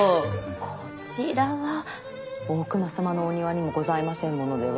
こちらは大隈様のお庭にもございませんものでは？